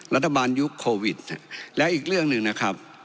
ยุคโควิดแล้วอีกเรื่องหนึ่งนะครับ